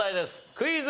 クイズ。